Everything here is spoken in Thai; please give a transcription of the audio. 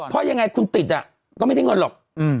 เพราะยังไงคุณติดก็ไม่ได้เงินหรอก